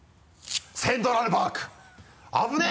「セントラルパーク」危ねぇ。